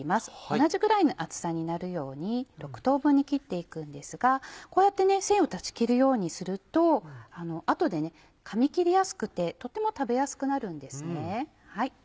同じぐらいの厚さになるように６等分に切って行くんですがこうやって繊維を断ち切るようにすると後でかみ切りやすくてとっても食べやすくなるんですね。